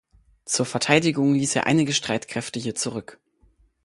Zur Verteidigung ließ er einige Streitkräfte hier zurück.